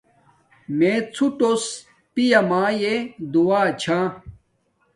مے څوٹوس پیا مایے دعا چھا